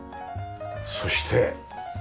そして。